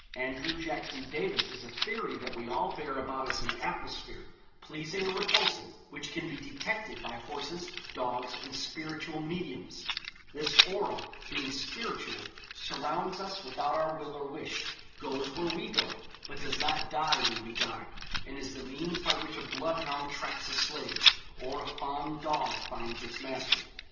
Andrew Jackson Davis has a theory that we all bear about us an atmosphere, pleasing or repulsive, which can be detected by horses, dogs, and spiritual 'mediums;' this aura, being spiritual, surrounds us without our will or wish, goes where we go, but does not die when we die, and is the means by which a bloodhound tracks a slave, or a fond dog finds its master.